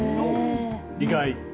意外。